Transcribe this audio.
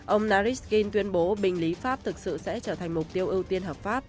ông nariskyn tuyên bố bình lý pháp thực sự sẽ trở thành mục tiêu ưu tiên hợp pháp